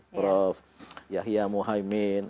prof yahya muhaymin